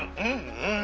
うん！